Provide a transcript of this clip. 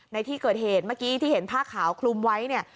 ในที่เกิดเหตุเมื่อกี้ที่เห็นผ้าขาวคลุมไว้เนี่ย